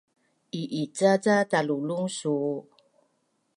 I’ica ca talulung suu?